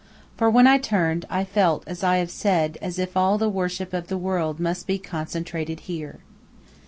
For when I turned, I felt, as I have said, as if all the worship of the world must be concentrated here.